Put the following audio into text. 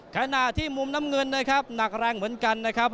ขณะที่มุมน้ำเงินนะครับหนักแรงเหมือนกันนะครับ